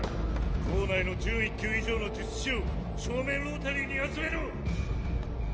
校内の準１級以上の術師を正面ロータリーに集めろ！